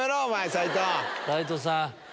斉藤さん